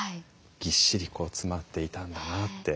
ぎっしりこう詰まっていたんだなって。